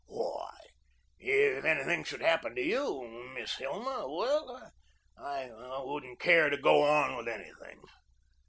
Why, if anything should happen to you, Miss Hilma well, I wouldn't care to go on with anything.